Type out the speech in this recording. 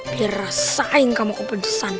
biar resain kamu kepedesan